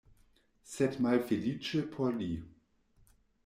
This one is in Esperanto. Sed malfeliĉe por li.